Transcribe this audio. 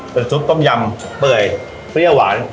เป็นซุปต้มยำเปื่อยเปรี้ยวหวาน